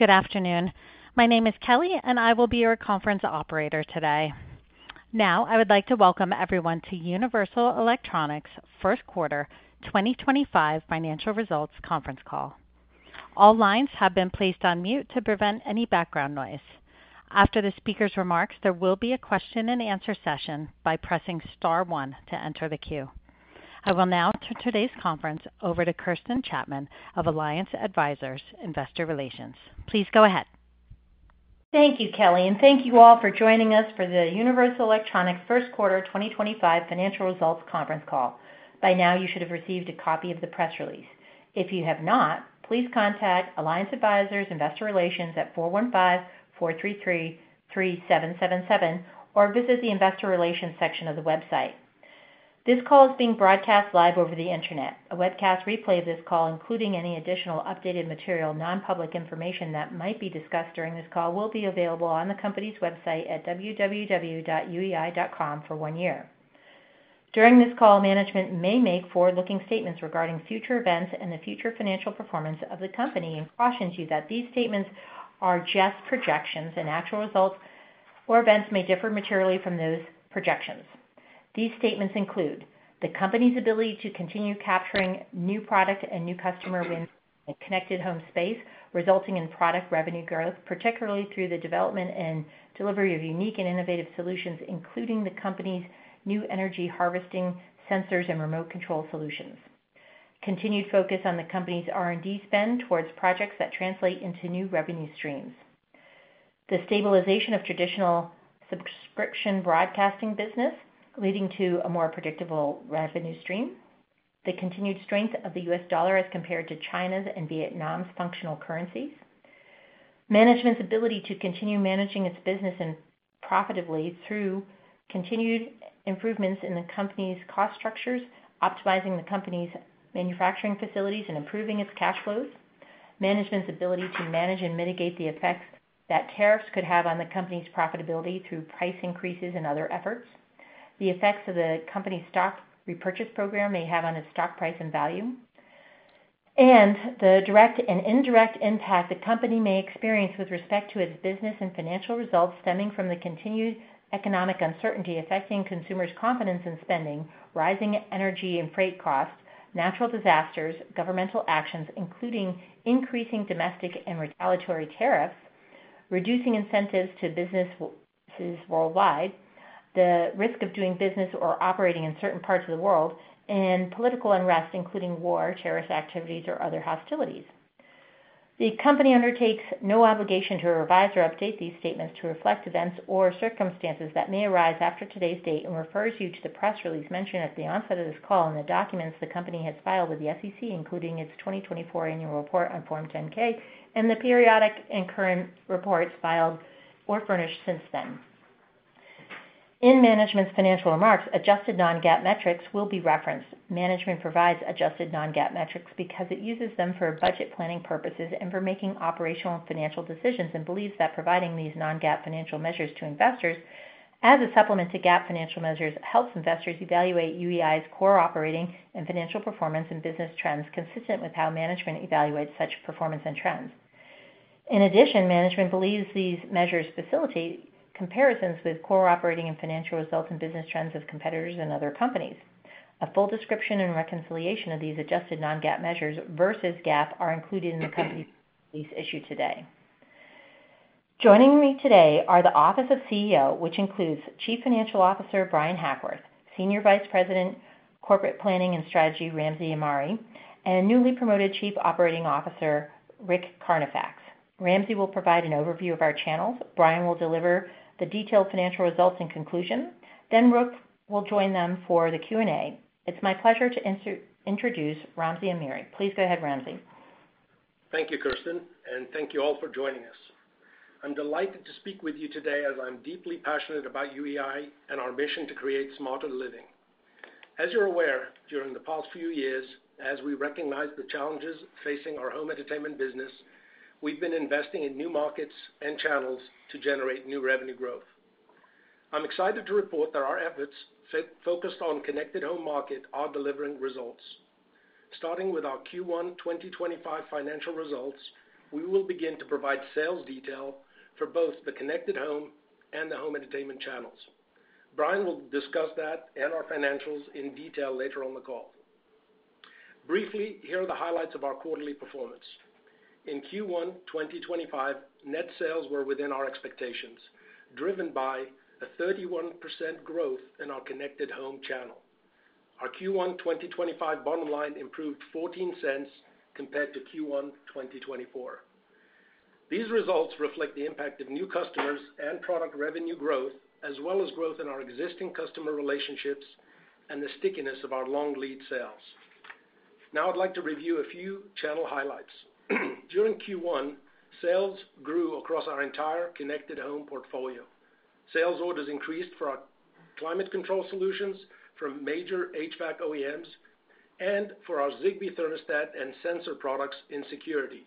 Good afternoon. My name is Kelly, and I will be your conference operator today. Now, I would like to welcome everyone to Universal Electronics' First Quarter 2025 financial results conference call. All lines have been placed on mute to prevent any background noise. After the speaker's remarks, there will be a question-and-answer session by pressing star one to enter the queue. I will now turn today's conference over to Kirsten Chapman of Alliance Advisors Investor Relations. Please go ahead. Thank you, Kelly, and thank you all for joining us for the Universal Electronics First Quarter 2025 financial results conference call. By now, you should have received a copy of the press release. If you have not, please contact Alliance Advisors Investor Relations at 415-433-3777 or visit the Investor Relations section of the website. This call is being broadcast live over the internet. A webcast replay of this call, including any additional updated material, non-public information that might be discussed during this call, will be available on the company's website at www.ue.com for one year. During this call, management may make forward-looking statements regarding future events and the future financial performance of the company and cautions you that these statements are just projections, and actual results or events may differ materially from those projections. These statements include the company's ability to continue capturing new product and new customer wins in the connected home space, resulting in product revenue growth, particularly through the development and delivery of unique and innovative solutions, including the company's new energy harvesting sensors and remote control solutions. Continued focus on the company's R&D spend towards projects that translate into new revenue streams. The stabilization of traditional subscription broadcasting business, leading to a more predictable revenue stream. The continued strength of the U.S. dollar as compared to China's and Vietnam's functional currencies. Management's ability to continue managing its business profitably through continued improvements in the company's cost structures, optimizing the company's manufacturing facilities and improving its cash flows. Management's ability to manage and mitigate the effects that tariffs could have on the company's profitability through price increases and other efforts. The effects of the company's stock repurchase program may have on its stock price and value. The direct and indirect impact the company may experience with respect to its business and financial results stemming from the continued economic uncertainty affecting consumers' confidence in spending, rising energy and freight costs, natural disasters, governmental actions, including increasing domestic and retaliatory tariffs, reducing incentives to businesses worldwide, the risk of doing business or operating in certain parts of the world, and political unrest, including war, terrorist activities, or other hostilities. The company undertakes no obligation to revise or update these statements to reflect events or circumstances that may arise after today's date and refers you to the press release mentioned at the onset of this call and the documents the company has filed with the SEC, including its 2024 annual report on Form 10-K and the periodic and current reports filed or furnished since then. In management's financial remarks, adjusted non-GAAP metrics will be referenced. Management provides adjusted non-GAAP metrics because it uses them for budget planning purposes and for making operational and financial decisions and believes that providing these non-GAAP financial measures to investors as a supplement to GAAP financial measures helps investors evaluate UEI's core operating and financial performance and business trends consistent with how management evaluates such performance and trends. In addition, management believes these measures facilitate comparisons with core operating and financial results and business trends of competitors and other companies. A full description and reconciliation of these adjusted non-GAAP measures versus GAAP are included in the company's release issued today. Joining me today are the Office of CEO, which includes Chief Financial Officer Bryan Hackworth, Senior Vice President, Corporate Planning and Strategy, Ramzi Ammari, and newly promoted Chief Operating Officer, Rick Carnifax. Ramzi will provide an overview of our channels. Bryan will deliver the detailed financial results and conclusion. Rick will join them for the Q&A. It's my pleasure to introduce Ramzi Ammari. Please go ahead, Ramzi. Thank you, Kirsten, and thank you all for joining us. I'm delighted to speak with you today as I'm deeply passionate about UEI and our mission to create smarter living. As you're aware, during the past few years, as we recognize the challenges facing our home entertainment business, we've been investing in new markets and channels to generate new revenue growth. I'm excited to report that our efforts focused on connected home market are delivering results. Starting with our Q1 2025 financial results, we will begin to provide sales detail for both the connected home and the home entertainment channels. Bryan will discuss that and our financials in detail later on the call. Briefly, here are the highlights of our Quarterly performance. In Q1 2025, net sales were within our expectations, driven by a 31% growth in our connected home channel. Our Q1 2025 bottom line improved $0.14 compared to Q1 2024. These results reflect the impact of new customers and product revenue growth, as well as growth in our existing customer relationships and the stickiness of our long lead sales. Now, I'd like to review a few channel highlights. During Q1, sales grew across our entire connected home portfolio. Sales orders increased for our climate control solutions, for major HVAC OEMs, and for our Zigbee thermostat and sensor products in security.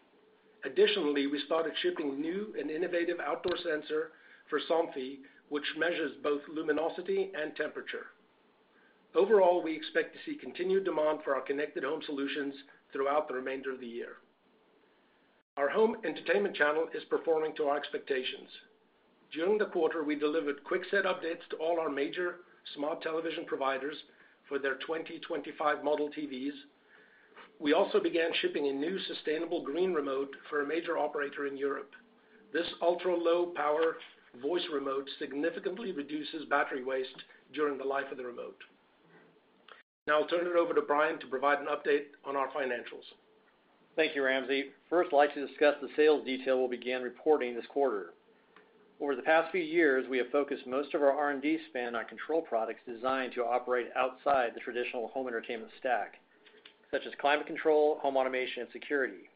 Additionally, we started shipping new and innovative outdoor sensors for Somfy, which measure both luminosity and temperature. Overall, we expect to see continued demand for our connected home solutions throughout the remainder of the year. Our home entertainment channel is performing to our expectations. During the Quarter, we delivered QuickSet updates to all our major smart television providers for their 2025 model TVs. We also began shipping a new sustainable green remote for a major operator in Europe. This ultra-low power voice remote significantly reduces battery waste during the life of the remote. Now, I'll turn it over to Bryan to provide an update on our financials. Thank you, Ramzi. First, I'd like to discuss the sales detail we'll begin reporting this Quarter. Over the past few years, we have focused most of our R&D spend on control products designed to operate outside the traditional home entertainment stack, such as climate control, home automation, and security.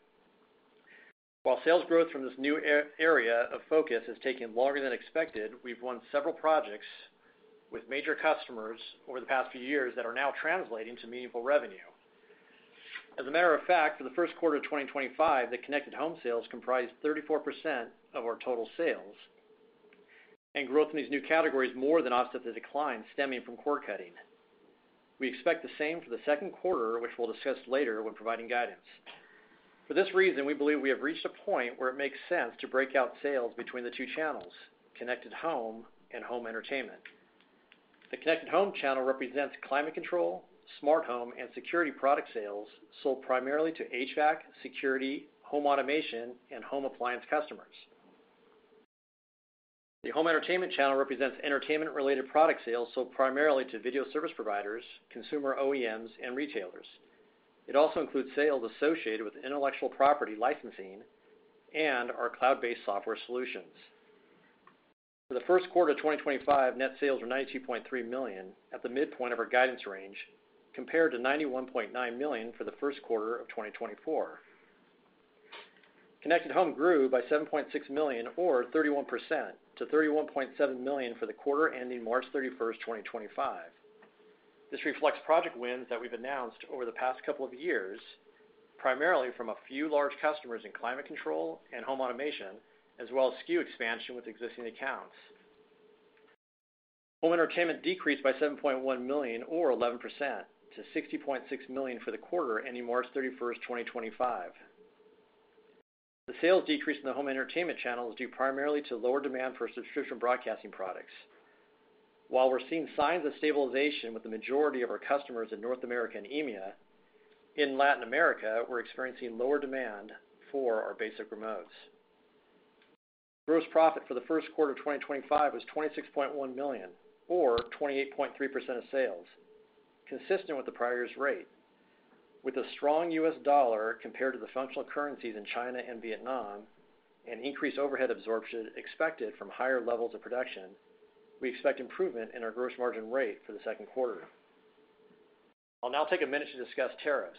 While sales growth from this new area of focus has taken longer than expected, we've won several projects with major customers over the past few years that are now translating to meaningful revenue. As a matter of fact, for the First Quarter of 2025, the connected home sales comprised 34% of our total sales, and growth in these new categories more than offset the decline stemming from cord cutting. We expect the same for the Second Quarter, which we'll discuss later when providing guidance. For this reason, we believe we have reached a point where it makes sense to break out sales between the two channels, connected home and home entertainment. The connected home channel represents climate control, smart home, and security product sales sold primarily to HVAC, security, home automation, and home appliance customers. The home entertainment channel represents entertainment-related product sales sold primarily to video service providers, consumer OEMs, and retailers. It also includes sales associated with intellectual property licensing and our cloud-based software solutions. For the First Quarter of 2025, net sales were $92.3 million at the midpoint of our guidance range, compared to $91.9 million for the First Quarter of 2024. Connected home grew by $7.6 million, or 31%, to $31.7 million for the Quarter ending March 31, 2025. This reflects project wins that we've announced over the past couple of years, primarily from a few large customers in climate control and home automation, as well as SKU expansion with existing accounts. Home entertainment decreased by $7.1 million, or 11%, to $60.6 million for the Quarter ending March 31, 2025. The sales decrease in the home entertainment channel is due primarily to lower demand for subscription broadcasting products. While we're seeing signs of stabilization with the majority of our customers in North America and EMEA, in Latin America, we're experiencing lower demand for our basic remotes. Gross profit for the First Quarter of 2025 was $26.1 million, or 28.3% of sales, consistent with the prior year's rate. `With a strong U.S. dollar compared to the functional currencies in China and Vietnam and increased overhead absorption expected from higher levels of production, we expect improvement in our gross margin rate for the Second Quarter. I'll now take a minute to discuss tariffs.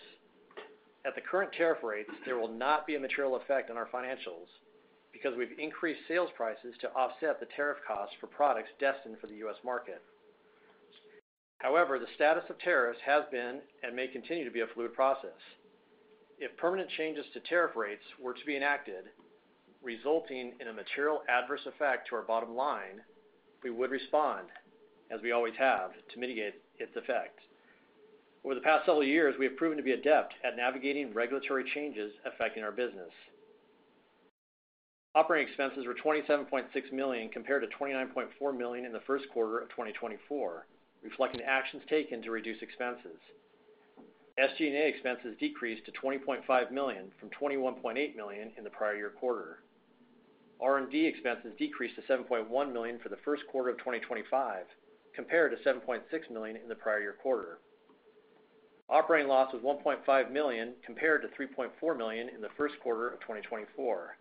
At the current tariff rates, there will not be a material effect on our financials because we've increased sales prices to offset the tariff costs for products destined for the U.S. market. However, the status of tariffs has been and may continue to be a fluid process. If permanent changes to tariff rates were to be enacted, resulting in a material adverse effect to our bottom line, we would respond, as we always have, to mitigate its effect. Over the past several years, we have proven to be adept at navigating regulatory changes affecting our business. Operating expenses were $27.6 million compared to $29.4 million in the First Quarter of 2024, reflecting actions taken to reduce expenses. SG&A expenses decreased to $20.5 million from $21.8 million in the prior year Quarter. R&D expenses decreased to $7.1 million for the First Quarter of 2025, compared to $7.6 million in the prior year Quarter. Operating loss was $1.5 million compared to $3.4 million in the First Quarter of 2024.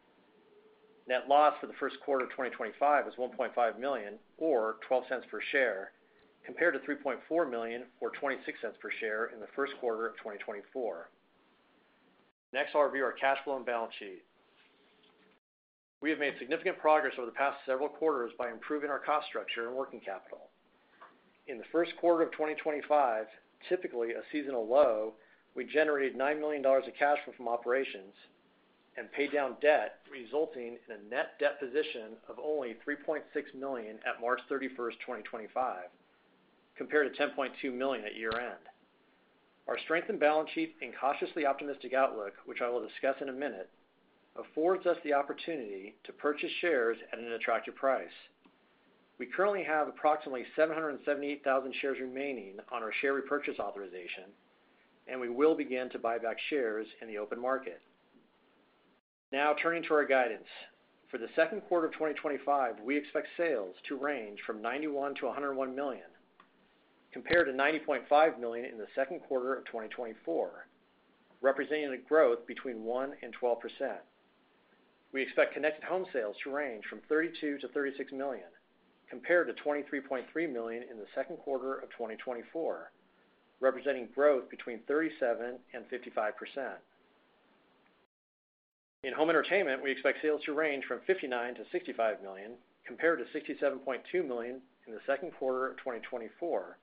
Net loss for the First Quarter of 2025 was $1.5 million, or $0.12 per share, compared to $3.4 million, or $0.26 per share in the First Quarter of 2024. Next, I'll review our cash flow and balance sheet. We have made significant progress over the past several Quarters by improving our cost structure and working capital. In the First Quarter of 2025, typically a seasonal low, we generated $9 million of cash flow from operations and paid down debt, resulting in a net debt position of only $3.6 million at March 31, 2025, compared to $10.2 million at year-end. Our strengthened balance sheet and cautiously optimistic outlook, which I will discuss in a minute, affords us the opportunity to purchase shares at an attractive price. We currently have approximately 778,000 shares remaining on our share repurchase authorization, and we will begin to buy back shares in the open market. Now, turning to our guidance. For the Second Quarter of 2025, we expect sales to range from $91 million-$101 million, compared to $90.5 million in the Second Quarter of 2024, representing a growth between 1% and 12%. We expect connected home sales to range from $32 million-$36 million, compared to $23.3 million in the Second Quarter of 2024, representing growth between 37% and 55%. In home entertainment, we expect sales to range from $59 million-$65 million, compared to $67.2 million in the Second Quarter of 2024,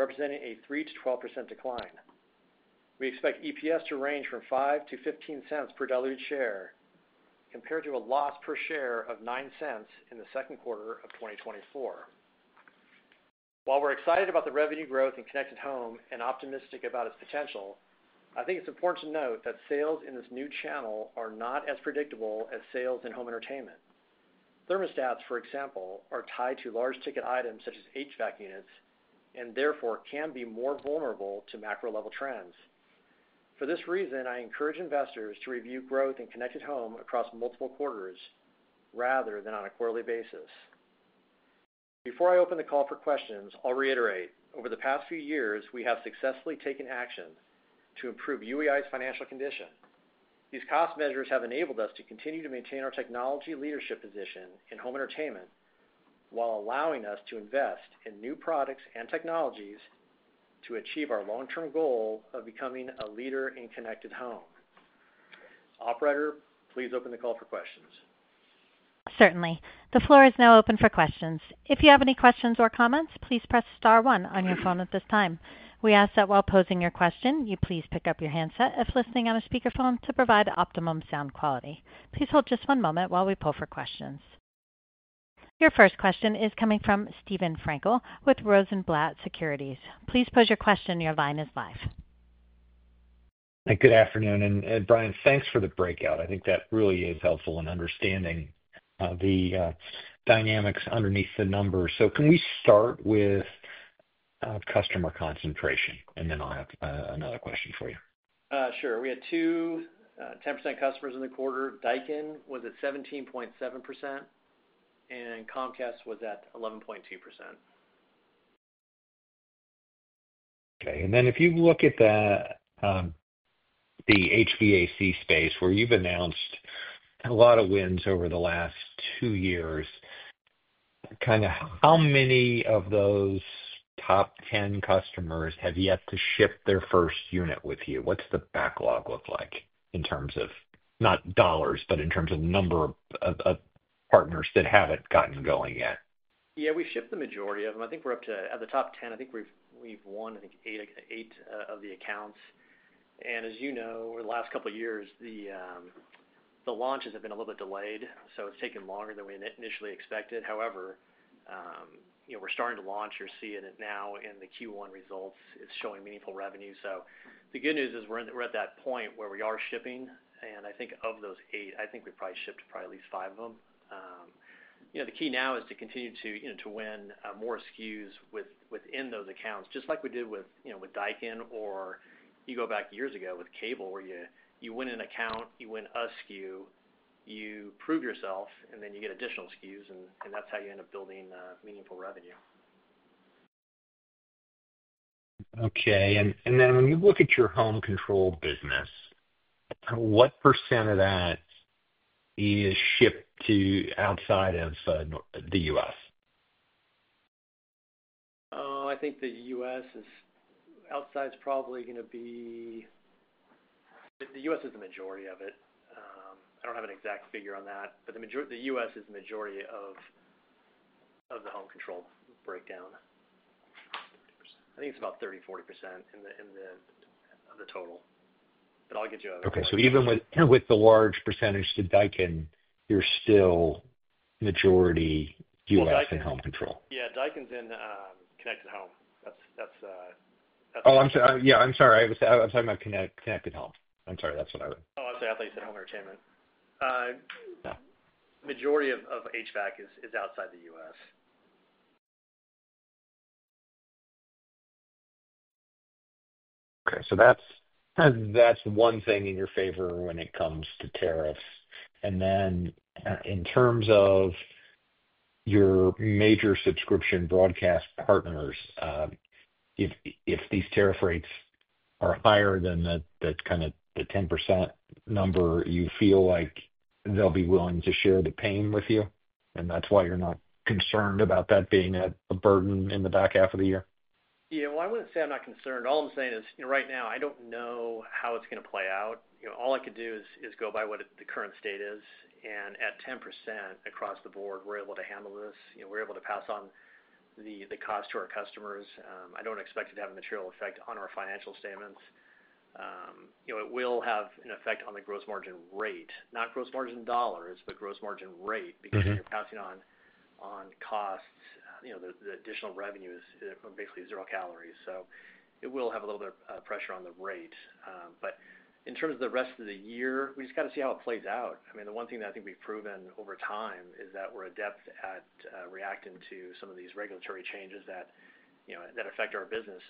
representing a 3%-12% decline. We expect EPS to range from $0.05-$0.15 per diluted share, compared to a loss per share of $0.09 in the Second Quarter of 2024. While we're excited about the revenue growth in connected home and optimistic about its potential, I think it's important to note that sales in this new channel are not as predictable as sales in home entertainment. Thermostats, for example, are tied to large ticket items such as HVAC units and therefore can be more vulnerable to macro-level trends. For this reason, I encourage investors to review growth in connected home across multiple Quarters rather than on a Quarterly basis. Before I open the call for questions, I'll reiterate. Over the past few years, we have successfully taken action to improve UEI's financial condition. These cost measures have enabled us to continue to maintain our technology leadership position in home entertainment while allowing us to invest in new products and technologies to achieve our long-term goal of becoming a leader in connected home. Operator, please open the call for questions. Certainly. The floor is now open for questions. If you have any questions or comments, please press star one on your phone at this time. We ask that while posing your question, you please pick up your handset if listening on a speakerphone to provide optimum sound quality. Please hold just one moment while we pull for questions. Your first question is coming from Stephen Frankel with Rosenblatt Securities. Please pose your question. Your line is live. Good afternoon. Bryan, thanks for the breakout. I think that really is helpful in understanding the dynamics underneath the numbers. Can we start with customer concentration? I will have another question for you. Sure. We had two 10% customers in the Quarter. Daikin was at 17.7%, and Comcast was at 11.2%. Okay. If you look at the HVAC space, where you've announced a lot of wins over the last two years, kind of how many of those top 10 customers have yet to ship their first unit with you? What's the backlog look like in terms of not dollars, but in terms of number of partners that haven't gotten going yet? Yeah, we shipped the majority of them. I think we're up to at the top 10, I think we've won, I think, eight of the accounts. And as you know, over the last couple of years, the launches have been a little bit delayed, so it's taken longer than we initially expected. However, we're starting to launch or seeing it now in the Q1 results. It's showing meaningful revenue. The good news is we're at that point where we are shipping. I think of those eight, I think we probably shipped probably at least five of them. The key now is to continue to win more SKUs within those accounts, just like we did with Daikin or you go back years ago with Cable, where you win an account, you win a SKU, you prove yourself, and then you get additional SKUs, and that's how you end up building meaningful revenue. Okay. And then when you look at your home control business, what % of that is shipped to outside of the U.S.? Oh, I think the U.S. is outside, is probably going to be, the U.S. is the majority of it. I do not have an exact figure on that, but the U.S. is the majority of the home control breakdown. I think it is about 30-40% of the total. But I will get you out of it. Okay. So even with the large percentage to Daikin, you're still majority U.S. and home control? Yeah. Daikin's in connected home. That's. Oh, I'm sorry. Yeah, I'm sorry. I was talking about connected home. I'm sorry. That's what I was. Oh, I was going to say I thought you said home entertainment. The majority of HVAC is outside the U.S. Okay. So that's one thing in your favor when it comes to tariffs. And then in terms of your major subscription broadcast partners, if these tariff rates are higher than the kind of the 10% number, you feel like they'll be willing to share the pain with you? And that's why you're not concerned about that being a burden in the back half of the year? Yeah. I would not say I am not concerned. All I am saying is right now, I do not know how it is going to play out. All I could do is go by what the current state is. At 10% across the board, we are able to handle this. We are able to pass on the cost to our customers. I do not expect it to have a material effect on our financial statements. It will have an effect on the gross margin rate, not gross margin dollars, but gross margin rate because you are passing on costs. The additional revenue is basically zero calories. It will have a little bit of pressure on the rate. In terms of the rest of the year, we just have to see how it plays out. I mean, the one thing that I think we've proven over time is that we're adept at reacting to some of these regulatory changes that affect our business.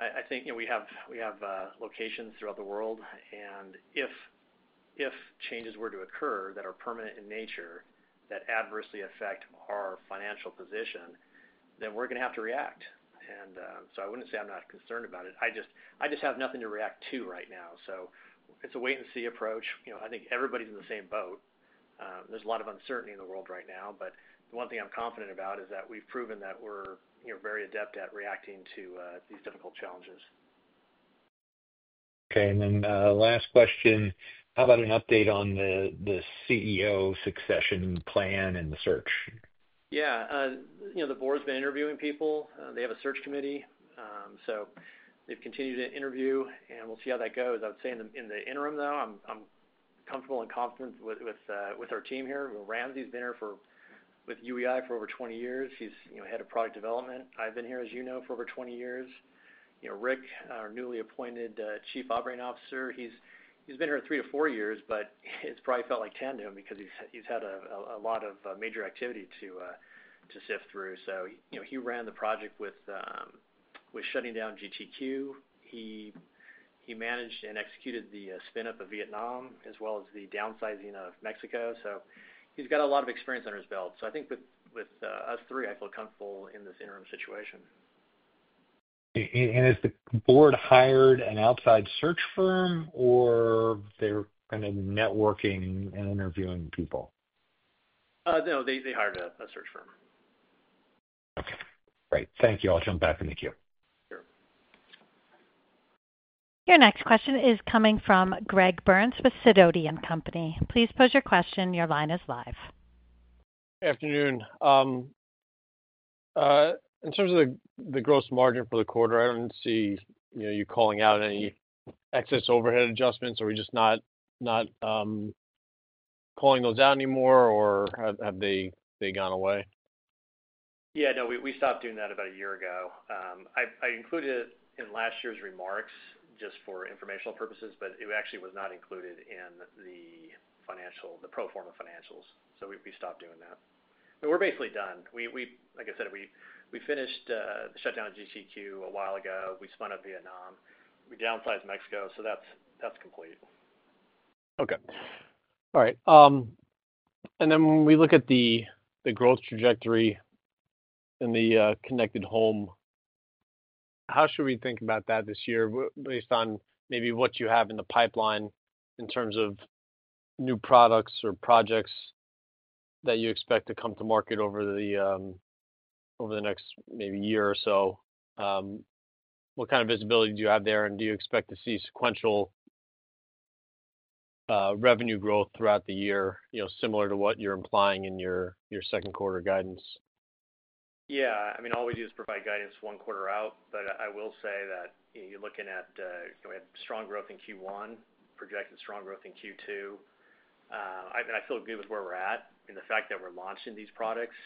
I think we have locations throughout the world. If changes were to occur that are permanent in nature that adversely affect our financial position, then we're going to have to react. I wouldn't say I'm not concerned about it. I just have nothing to react to right now. It's a wait-and-see approach. I think everybody's in the same boat. There's a lot of uncertainty in the world right now. The one thing I'm confident about is that we've proven that we're very adept at reacting to these difficult challenges. Okay. And then last question, how about an update on the CEO succession plan and the search? Yeah. The board's been interviewing people. They have a search committee. They have continued to interview, and we'll see how that goes. I would say in the interim, though, I'm comfortable and confident with our team here. Ramzi's been here with UEI for over 20 years. He's head of product development. I've been here, as you know, for over 20 years. Rick, our newly appointed Chief Operating Officer, he's been here three to four years, but it's probably felt like 10 to him because he's had a lot of major activity to sift through. He ran the project with shutting down GTQ. He managed and executed the spin-up of Vietnam as well as the downsizing of Mexico. He's got a lot of experience under his belt. I think with us three, I feel comfortable in this interim situation. Is the board hired an outside search firm, or they're kind of networking and interviewing people? No, they hired a search firm. Okay. Great. Thank you. I'll jump back in the queue. Sure. Your next question is coming from Greg Burns with Sidoti & Company. Please pose your question. Your line is live. Good afternoon. In terms of the gross margin for the Quarter, I don't see you calling out any excess overhead adjustments. Are we just not calling those out anymore, or have they gone away? Yeah. No, we stopped doing that about a year ago. I included it in last year's remarks just for informational purposes, but it actually was not included in the pro forma financials. We stopped doing that. We're basically done. Like I said, we finished the shutdown of GTQ a while ago. We spun up Vietnam. We downsized Mexico. That's complete. Okay. All right. When we look at the growth trajectory in the connected home, how should we think about that this year based on maybe what you have in the pipeline in terms of new products or projects that you expect to come to market over the next maybe year or so? What kind of visibility do you have there? Do you expect to see sequential revenue growth throughout the year similar to what you're implying in your Second Quarter guidance? Yeah. I mean, all we do is provide guidance one Quarter out. I will say that you're looking at we had strong growth in Q1, projected strong growth in Q2. I feel good with where we're at. The fact that we're launching these products,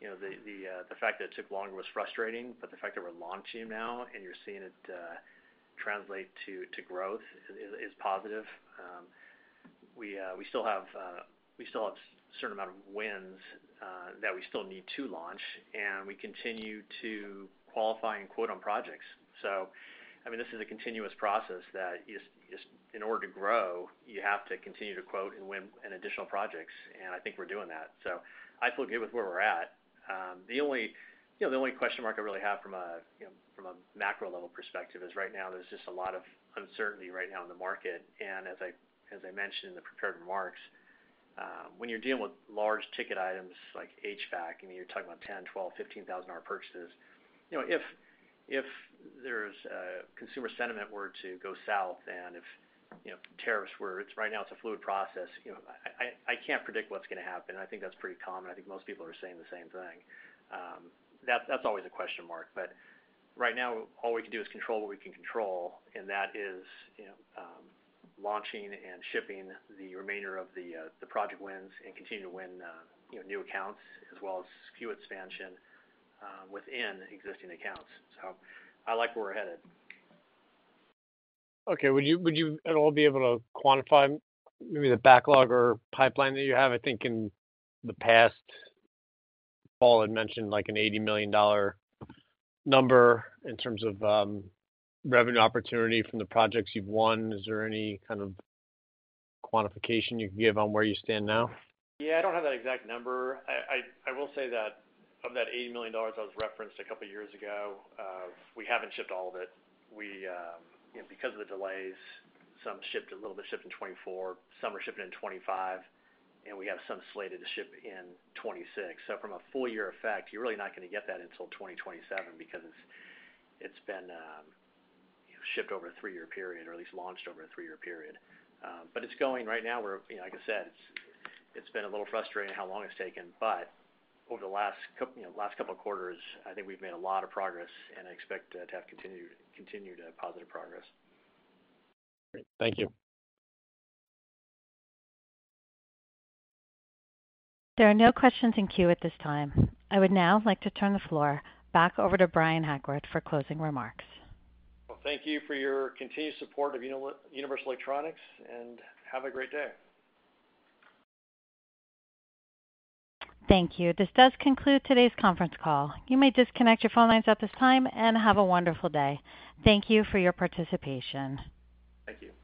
the fact that it took longer was frustrating. The fact that we're launching now and you're seeing it translate to growth is positive. We still have a certain amount of wins that we still need to launch. We continue to qualify and quote on projects. I mean, this is a continuous process that in order to grow, you have to continue to quote and win additional projects. I think we're doing that. I feel good with where we're at. The only question mark I really have from a macro-level perspective is right now there's just a lot of uncertainty right now in the market. As I mentioned in the prepared remarks, when you're dealing with large ticket items like HVAC, I mean, you're talking about $10,000, $12,000, $15,000 purchases. If consumer sentiment were to go south and if tariffs were, right now, it's a fluid process. I can't predict what's going to happen. I think that's pretty common. I think most people are saying the same thing. That's always a question mark. Right now, all we can do is control what we can control. That is launching and shipping the remainder of the project wins and continue to win new accounts as well as SKU expansion within existing accounts. I like where we're headed. Okay. Would you at all be able to quantify maybe the backlog or pipeline that you have? I think in the past, Paul had mentioned an $80 million number in terms of revenue opportunity from the projects you've won. Is there any kind of quantification you can give on where you stand now? Yeah. I do not have that exact number. I will say that of that $80 million I was referencing a couple of years ago, we have not shipped all of it. Because of the delays, some shipped, a little bit shipped in 2024. Some are shipping in 2025. And we have some slated to ship in 2026. From a full year effect, you are really not going to get that until 2027 because it has been shipped over a three-year period or at least launched over a three-year period. It is going right now. Like I said, it has been a little frustrating how long it has taken. Over the last couple of Quarters, I think we have made a lot of progress and expect to have continued positive progress. Great. Thank you. There are no questions in queue at this time. I would now like to turn the floor back over to Bryan Hackworth for closing remarks. Thank you for your continued support of Universal Electronics and have a great day. Thank you. This does conclude today's conference call. You may disconnect your phone lines at this time and have a wonderful day. Thank you for your participation. Thank you.